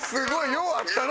ようあったな